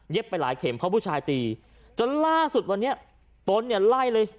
ไปหลายเข็มเพราะผู้ชายตีจนล่าสุดวันนี้ตนเนี่ยไล่เลย